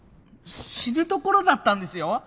死ぬところだったんですよ。